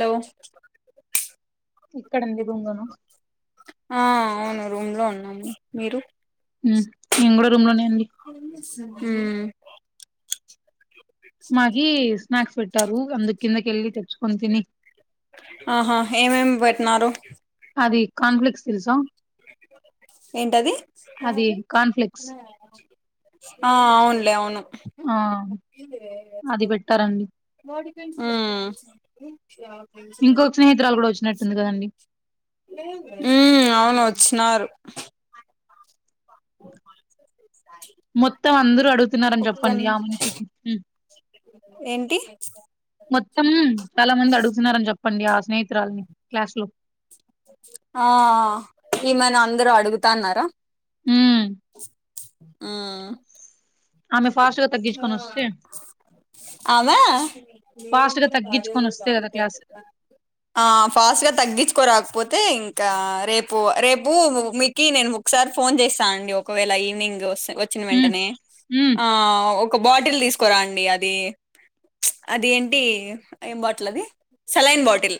Hello ఇక్కడుంది బొంగను ఆ అవును రూమ్ లో ఉన్నాము మీరు మ్మ్ నేను కూడా రూమ్ లోనే అండి మ్మ్ మగి స్నాక్స్ పెట్టారు అంద కిందకి ఎల్లి తెచ్చకొని తిని ఆహా ఏమేమి పెట్టినారు అది కన్ప్లెక్స్ తెల్సా ఏంటది అది కాన్ఫ్లెక్స్ ఆ అవునులే అవును ఆ అది పెట్టారన్ మ్మ్ ఇంకొక స్నేహిరాలు కూడా వచ్చినట్టుంది కదండి మ్మ్ అవును వచ్చినారు మొత్తం అందరూ అడుగుతున్నారని చెప్పండి ఒక్కన్ ఆ మనిషికి మ్మ్ ఏంటి మొత్తం చాలా మంది అడుగుతున్నారని చెప్పండి ఆ స్నేహితురాల్ని క్లాస్ లో ఆ ఈమెను అందరుూ అడుగుతన్నారా ఉమ్. ఆ ఆమె ఫాస్ట్ గా తగ్గించుకొని వస్తే ఆమె ఫాస్ట్ గా తగ్గించుకొని వస్తే కదా క్లాస్ ఆ ఫాస్ట్ గా తగ్గించుకోరాకపోతే ఇంకా రేపు రేపు మీకి నేను ఒకసారి ఫోన్ జేసి రాండి ఒకవేళ ఈవినింగ్ వచ్చిన ఉమ్, వెంటనే ఉమ్, ఒక బాటిల్ దీసుకురాండి అది అది ఏంటి ఏం బాటిల్ అది సలైన్ బాటిల్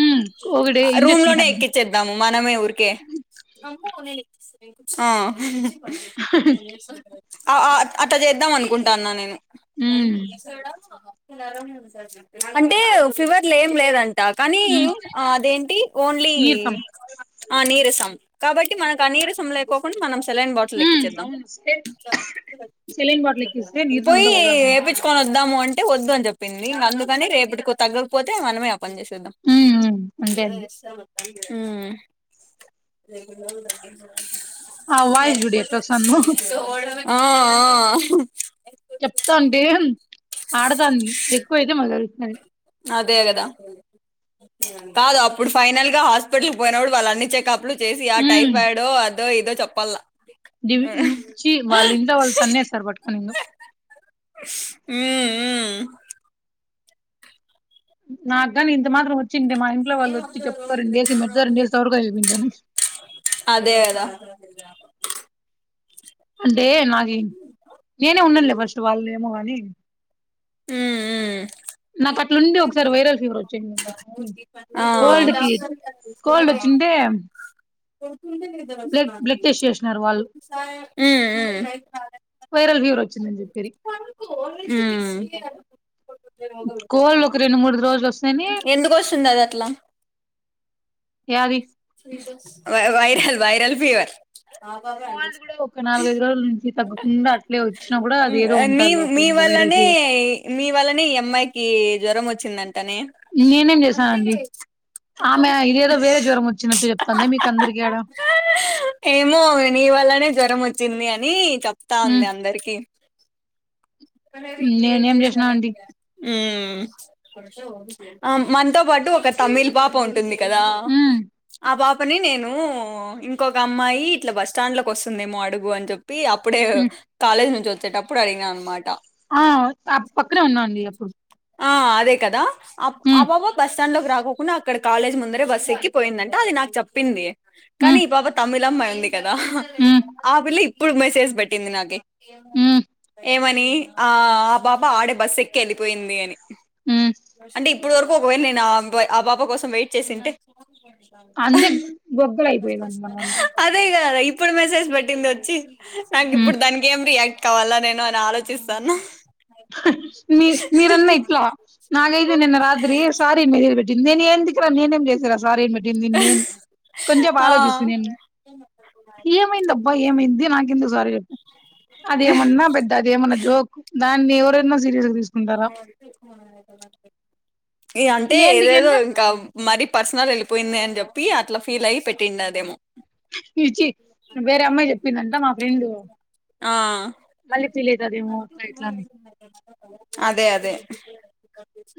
ఉమ్. ఒకటి రూమ్ ఇంజెక్షన్ లోనే ఎక్కించం మనమే ఊరికే అమ్మో నేను ఎక్కిస్తలే ఆ అట్ట చేద్దాం అనుకుంటా అన్నా నేను అంటే ఫీవర్లు ఏం లేదం ట కానీ అదేంటి ఓన్లీ మీర్ ఆ నీరసం కాబట్టి మనకు ఆ నీరసంలే కోకుండా మనం సెలైన్ బాటిల్ హ్మ్. ఎక్కించేద్దాం అవును. సెలైన్ సెలైన్ బాటిలెక్కిస్తే నీరసం పోయి అంతా పోతదండి. ఏపిచ్చు కొద్దాము అంటే వద్దు అని చెప్పింది అందుకని రేపటికో తగ్గకపోతే మనమే ఆ పని చేసేద్దాం హ్మ్. హ్మ్. అంతే ఏదో అండి. జేస్తము ఉమ్ వాయిస్ జూడు ఆ ఎట్లొస్తాందో ఆ ఆహు చెప్తాంటే ఆడదాంది ఎక్కువైతే మళ్ళ అరుస్తది అదేగదా కాదు అప్పుడు ఫైనల్ గా హాస్పిటల్ పోయినప్పుడు వాళ్ళు అన్ని చెకప్లు చేసి ఆ హ్మ్. టైఫాయిడో అదో ఇదో చెప్పాలా డివిచ్చి వాళ్ళు ఇంట్లో వాళ్ళు తన్నేస్తారు పట్టుకొని నిన్ను ఉమ్ ఉమ్ నాకుగానీ ఇంత మాత్రం వచ్చింటే మా ఇంట్లో వాళ్ళు వచ్చి చెప్తారు రెండేసి మెడద రెండేసి సపుడు వింటరు అదే గదా ద అంటే నాకి నేనే ఉన్నానులే ఫస్ట్ వాళ్ళు ఏమో కాని మ్మ్ మ్మ్ నాకు అట్లుంది ఒకసారి వైరల్ ఫీవర్ వచ్చింది స్వామి ఆ కోల్డ్కి కోల్డ్ వచ్చింటే ఉమ్ బ్లడ్ బ్లడ్ టెస్ట్ చేసినారు వాళ్ళు. ఉమ్ వైరల్ ఫివర్ వచ్చింది అని జెప్పిరి మ్మ్ మ్మ్ కోల్డు ఒక రెండు మూడు రోజులు వస్తనే ఎందుకు వస్తుంది అది అట్లా యాది వైరల్ వైరల్ ఫీవర్ కోల్డ్ కూడా ఒక నాలుగైదు రోజుల నుంచి తగ్గకుండా అట్లే వచ్చినా కూడా అది ఏదో ఉంటది నీమ్ లోపల మీ ఇంకా వైరల్ వల్లనే ఫీవర్ మీ వల్లనే ఈ అమ్మాయికి జ్వరం వచ్చిందంటనే నేనేం చేశానండి ఆమె ఇదేదో వేరే జ్వరం వచ్చినట్టు చెప్తంది మీకు అందరికిీ ఆడా ఏమో నీ వల్లనే జ్వరం వచ్చింది అని చెప్తా ఉంది ఉమ్ అందరికి కలరేయ్ క్రియేట్ నేనేం జేస్తే చేసినా అది అండి అయిపోదా ఉమ్ మనతో పాటు ఒక తమిళ్ పాప ఉంటుంది కదా ఉమ్ ఆపాప్ పని నేను ఇంకొక అమ్మాయి ఇట్ల బస్ స్టాండ్ లోకి వస్తుందేమో అడుగు అని చెప్ ప్పి అప్పుడే ఉమ్ కాలేజ్ నుంచి వచ్చేటప్పుడు అడిగిన అన్నమాట ఆ ఆ పక్కనే ఉన్నాండి అప్పుడు ఆ అదే కదా ఉమ్ అబబ బస్ కి రాకోకుండా అక్కడ కాలేజ్ ముందరే బస్ ఎక్కిపోయిందంటే అది నాకు చెప్పింది కానీ ఉమ్ ఈ పాప తమిళ్ పిల్ల మారింది కదా ఉమ్ ఆ పిల్ల ఇప్పుడు మెసేజ్ పెట్టింది నాకి ఉమ్ ఏమని ఆ ఆ పాప ఆడే బస్ ఎక్కి వెళ్ళిపోయింది అని ఉమ్ అంటే ఇప్పడు వరకు ఒకవేళ నేను ఆ పాప కోసం వెయిట్ చేసుంటే అంతే గొగ్గలు అయిపోయేదాన్ని మనం అంతా. అదే కదా ఇప్పుడు మెసేజ్ పెట్టింది వచ్చి నాకు ఉమ్ ఇప్పుడు దానికి ఏం రియాక్ట్ కావాలా నేను అని ఆలోచిస్తాను మీ మీరన్న ఇట్లా నాగైతే నిన్న రాత్రి సారి మెస్సేజ్ బెట్టింది నేను ఎందుకుర నేనేం చేశారా సారి పెట్టింది పిన్ని నేను కొంచెం ఆ ఆలోచూస్తని ఏమైందాబ్బా ఏమైంది నాకెందుకు సార చెప్ప అదేమన్నా పెద్ద అదేమన్నా జోక్ దాన్ని ఎవరన్నో సీరియస్ గా తీసుకున్ ఈ అంటే ఏదేదో ఏంటికంటే ఇంకా మరీ పర్సనల్ వెళ్ళిపోయింది అని చెప్పి అట్లా ఫీల్ అయి పెట్టి ఉందేమో ఇచ్చి వేరే అమ్మాయి చెప్పిందంట మా ఫ్రెండ్ ఆ మళ్ళీ ఫీల్ ఐతాదేమో ముూర్తయిట్ల అదే అదే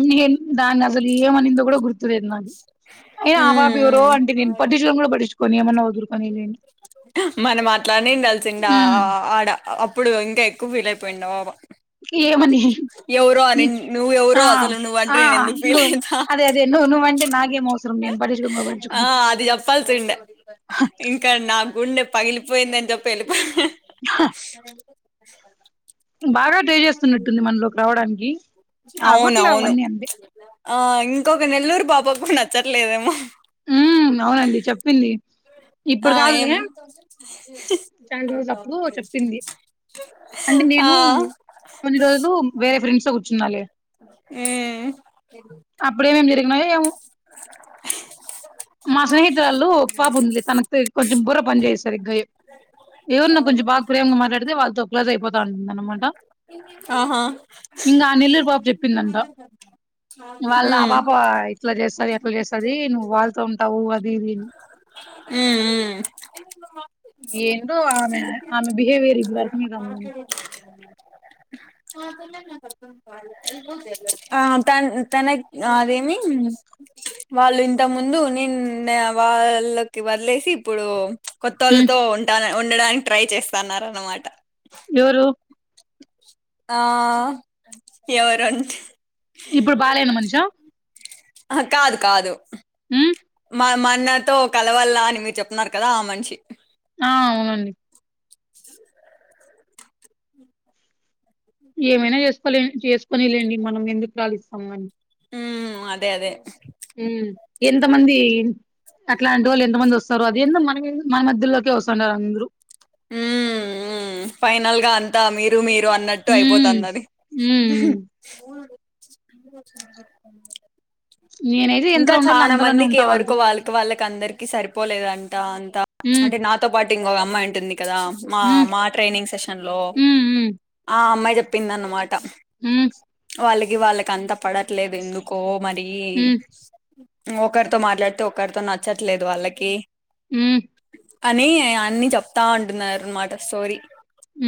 ఇన్ హెల్ప్ దాన్ని అసలు ఏమనిందో కూడా గుర్తు లేదు నాకు ఏ అ పాప ఉమ్ ఎవరో ఉమ్. ఆంటీని నేను పంటిన్చునే కూడా పాటించుకొను ఏమైన్నా ఒదురుకొనిని మన మాట్లాడినిడాలిసింద ఉమ్ అప్పుడు ఇంకా ఎక్కువ ఫీల్ అయిపోయిండ బాబా ఏమని ఎవరో అనినో ఎవరో నిన్ నువ్వ ఎవరో ఆ అసలు నువ్వ ఆ అంట్రి నేను ఎందుకు ఫీల్ నువ్వు అయితా అదే అదే నువ్వు నువ్వంటే నాకేం అవసరం నేను పట్టించుకోను కూడా ఆ పట్టించుకోను అది చెప్పాల్సి ఉండే ఇం ఇక్కన్న నా గుండె పగిలిపోయిందని చెప్పి వెళ్ళిపో హ సర బాగా ట్రే చేస్తున్నట్టుంది మనలోకి రావడానికి అవ్వట్లే అవునవును అవన్నీ అంతే ఆ ఇంకొక నెల్లూరు పాపాకు నచ్చట్లేదేమో ఉం అవునండి చెప్పింది ఆ ఇప్పుడు ఏం కాదులే చాలా రోజులు అప్పుడు చెప్పింది అంటే ఆ నేను కొన్ని రోజులు వేరే ఫ్రెండ్స్ తో కూర్చునాలే ఉమ్ అప్పుడేం ఎం జరిగినాయో ఏమో మా స్నేహితురాళ్ళు పాప ఉంది తనకు కొంచెం బుర్ర పని చేయదు సరిగ్గా ఏవుర్నో కొంచెం బాగా ప్రేమగా మాట్లాడితే వాళ్ళతో క్లోజ్ అయిపోతా ఉంటుంద అన్నమాట ఇంకా ఆ నెల్ అలాగ వాళ్ళ ఆ పాప ఇట్లా చేస్తది అట్లా చేస్తది నువ్వు వాళ్ళతో ఉంటావు అది ఇది ఉ ఊ మా ఏందో ఆమె ఆమె బిహేవియర్ ఇప్పుడు అన్ని వాళ్ళ ఆ తన్ తనకి అదేంమి వాళ్ళు ఇంత ముందు నేను వాళ్ళకి వదిలేసి ఇప్పుడు కోతోలతో ఉంటా ఉండడానికి ట్రై చేస్తన్న అనమాట ఎవరు. ఆ ఎవరంటే. ఇప్పుడు బాలేన మనిషా అక్క అది కాదు. ఉ. మా మా అన్నతో కలవల్ల అని మీరు చెప్తున్నారు కదా ఆ మనిషి. ఆ అవునండి. ఏమైనా చేసుకోలే చేసుకొని లేండి మనం ఎందుకు కాలిస్తాం అని. ఉ అదే అదే. ఉ ఎంత మంది అట్లాంటి వాళ్ళు ఎంత మంది వస్తారో. ఎందో మనకెందుకు మన మధ్యలోకి వస్తస్తుంటారు అందరు. ఊ ఊ ఫైనల్గా అంతా మీరు మీరు. అన్నట్టు హ్మ్. అయిపోతాందని. హ్మ్. హ్మ్. నేనైతే ఎంత ఇంకా రౌండోళ్ళో చానా అంతలోనే మందికి ఉంటా ఎవరకు వాళ్ళతో. వాళ్ళ. వాళ్ళకి అందరికి సరిపోలేదంట అంతా హ్మ్. అంటే నాతో పాటు ఇంకొక అమ్మాయి ఉంటుంది కదా. మా హ్మ్. మా ట్రైనింగ్ సెషన్ లో హ్మ్. హ్మ్. ఆ అమ్మాయి చెప్. పింద అనమాట హ్మ్. వాళ్ళకి వాళ్ళకి అంత పడట్లేదు ఎందుకో మరి. హ్మ్. ఒకరితో మాట్లాడితే ఒకరితో నచ్చట్లేదు వాళ్ళకి. ఊ. అని అన్ని చెప్తా ఉంటున్నారు అనమాట సోరి.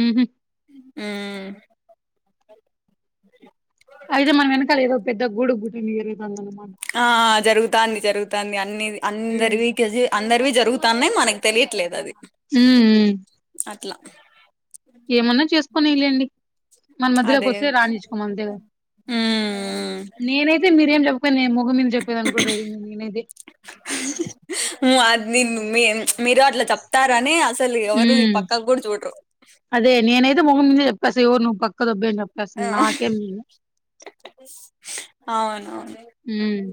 ఉహు. ఊ. అయితే మనం వెనకాల ఏదో పెద్ద గూడుగుట్టని జరుతుందనమాట. ఆ జరుగుతాంది జరుగుతాంది అన్ని హ్మ్. అందరివి కేజీ. అందరివి జరుగుతాన్నాయి మనకు తెలియట్లేదు అది. ఊఊ. అట్లా. ఏమన్నా చేసుకోనిలెండి. మన మధ్యలోకి అదే వస్తే రాణించుకోమ అంతేకద మ్మ్ నేనే అది మీరేం చెప్పుకని నేము ముగం మీద చెప్పేది అనుకో రడి నేనైతే ఉ ఆ నేను మీ మీరు అట్లా చెప్తారనే. సలు ఎవరు ఈ హ్మ్. పక్కా గూడ చూడ్రు. అదే నేనైతే ముగం మీదే చెప్పేస్తా ఎవరు నువ్వు పక్క దొబ్బేంప్ప. ఆ అవునవును. హ్మ్.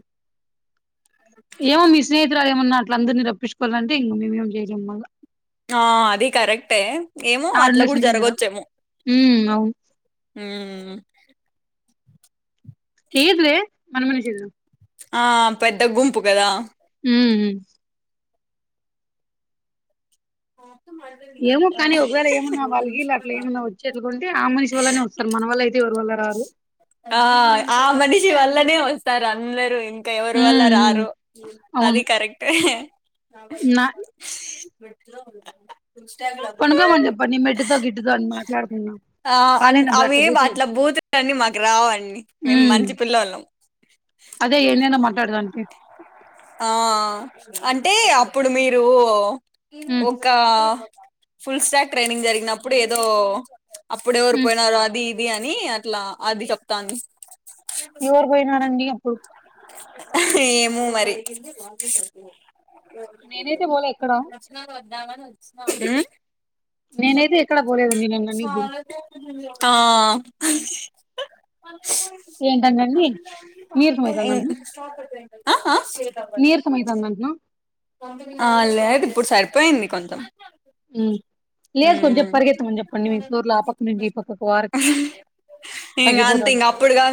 ఏమో మీ స్నేహితులు ఏమన్నా అట్లా అందరినీ రప్పించుకోవాలంటే ఇంక మేమేం చేయలేమ్ మల్ల. ఆ అది కరెక్టే ఏమో అట్లా కూడా జరగొచ్చేమో. ఊ అవును. ఊ. ఏది లే పని మనిష. ఆ పెద్ద గుంపు కదా. ఊ ఉ. మరిదే. ఏమో కానీ ఒకవేళ ఏమన్నా వాళ్ళకిీళ్ళ అట్లా ఏమైన్నా వచ్చేది గుంటె ఆ మనిషి వళ్లనే వస్తారు మన వల్ల అయితే ఎవరు ఉండ. రారు. ఆ ఆ మనిషి వల్లనే వస్తారు అందరు ఇ. కే ఎవరు వల్ల హ్మ్. హ్మ్. రారు అది అవును. కరెక్ట్ ఏహే నా మిన్తలో ఇంస్టాగ్లంలో పనుకోమని చెప్పండి మెట్టుతో గిట్టుతో అని మాట్లాడుకుందాం. ఆ ఆన్ వాళ్ళేనప్పుడు అవి బూతులు అట్లా బూతులన్నీ మాకు రావండి మీమ్ హ్మ్. మంచి పిల్లోలం. అదే ఏనేనా మాట్లాడదా దానికి ఆ అంటే అప్పుడు మీరో హ్మ్. ఒక్ క ఫుల్ స్టాక్ ట్రైనింగ్ జరిగినప్పుడు ఏదో అప్పుడ్ ఎవర్ హ్మ్. పోయినారు అది ఇది అని అట్లా అది చెప్తాంది. ఎవరు పోయినారండి అప్పుడు ఆహ్ ఏమో మరి కింద వాగ్ జేసి నేనైతే పోలే ఎక్కడ వచ్చినా [inaudible] ఉహ్ నేనైతే ఎక్కడ బోలేదు నీన్ అన్నా నీగు ఉమ్ ఆ ఏంటండి నీరసం అవుతుంది ఐ అంటున్నా ఆఆ నీరసం అవుతుంది అంటున్నా ఆ లేదు ఇప్పుడు సరిపోయింది కొంతం ఉమ్. లేదు కొంచెం ఉహ్ పరిగెత్తమని చెప్పండి మీ ఫ్లోర్ లో ఆ పక్క నుంచి ఈ పక్కకు వారు ఇంగా అంతే తగ్గిపోతారు ఇంగా అప్పుడు కా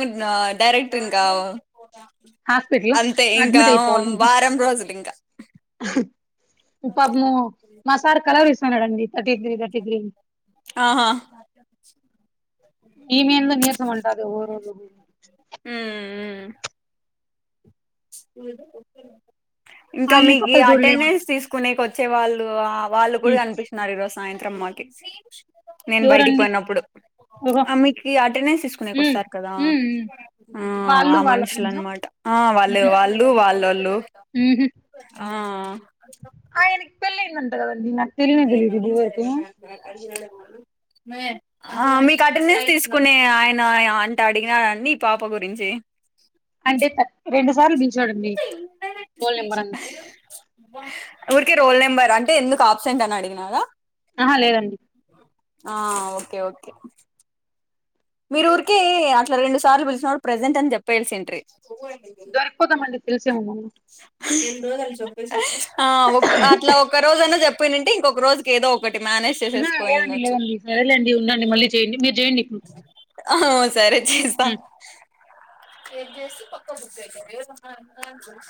డైరెక్టర్ ఇంగా హాస్పిటల్ అంతే ఇంకా అడ్మిట్ అయిపోవాలి వారం రోజులు ఇంకా పాపము మా సార్ కలర్ ఇస్తాన్నాడండి థర్టీ డిగ్రీ థర్టీ గ్రీ ఆహా ఈమెలో నీరసం ఉంటది ఊరోళ్లు ఉహుహుహ్ ఇంకా ఆయన మీకు ఈ కథలు చూడలేమండి అటేనేన్స్ తీసుకునేక వచ్చే వాళ్ళు అప్ వాళ్ళు గూడా ఉమ్. గానిపించిన్నారు ఈ రోజు సాయంత్రమ్ మాకి నేను బయటికి ఎవరండి పోయినప్పుడు ఓహో ఆ మీకు అటెంనేన్స్ తీసుకునేకి ఉమ్, వస్తరు కదా ఉమ్, ఉమ్. ఉహ్ వాళ్ళు ఆ వాళ్ళ మనుషుల ఫ్రెండ్స్ అన్నమాట ఆ వాల్ లే వాళ్ళు వాళ్ళ వాళ్ళోలు ఆఆ ఆయనకి పెళ్ళిందట గదండి నాకు తెలియానే తెలిది ఇబాడ్ వరకు మే ఆ మీకు అటెంనేన్స్ తీసుకునే ఆయన అంటా అడిగినారన్ని పాప గురించి అంటే తర్ట్ రెండు సార్లు దీచోడండి. ఇంటర్నెట్ స్పీచ్ ఊరికే రోల్ నెంబర్ అంటే ఎందుకు ఆబ్సెంట్ అని అడిగినాదా ఆహా లేదండి. ఆ ఓకే ఓకే మీరు ఊరికి అట్లా రెండు సార్లు బిలిచినోడ్ ప్రజెంట్ అని చెప్పేల్సి ఇంట్రీ. దొరిపోదామండి తెలిసే ఉమ్ము ఆ మొన్న అట్లా ఒ ఒక రోజనా జేప్పనంటే ఇంకొక రోజుకి ఏదో బట్ మేనేజ్ చేసేసి లేదండి పోయిండొచ్చు లేదండి సరేలేండి ఉండడి మళ్ళీ చేయండి, మీరు జేయండి ఇప్పుడు. ఆహ్ సరే చేస్తా ఎడ్ జేసి పక్క బుక్ అయితాయ్ [inaudible]